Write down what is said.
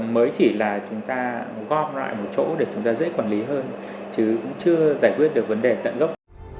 mới chỉ là chúng ta gom lại một chỗ để chúng ta dễ quản lý hơn chứ cũng chưa giải quyết được vấn đề tận gốc